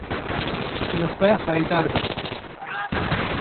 Li xwe haydarbin.